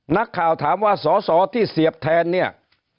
นักข่าวถามว่าสอสอที่เสียบแทนเนี่ย